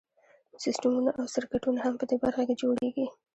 سیسټمونه او سرکټونه هم په دې برخه کې جوړیږي.